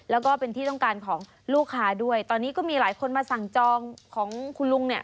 แล้วก็เป็นที่ต้องการของลูกค้าด้วยตอนนี้ก็มีหลายคนมาสั่งจองของคุณลุงเนี่ย